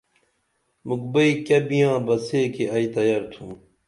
مُکھ بئیں کیہ بیاں بہ سے کی ائی تیار تُھم